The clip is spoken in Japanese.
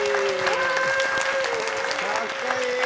かっこいい！